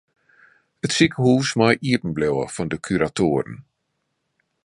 It sikehús mei iepen bliuwe fan de kuratoaren.